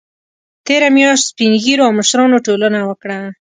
تېره میاشت سپین ږیرو او مشرانو ټولنه وکړه